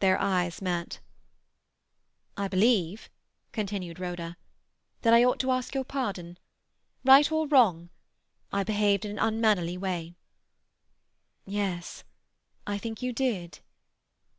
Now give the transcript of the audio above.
Their eyes met. "I believe," continued Rhoda, "that I ought to ask your pardon. Right or wrong, I behaved in an unmannerly way." "Yes, I think you did."